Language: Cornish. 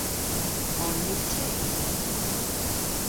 On ni teg?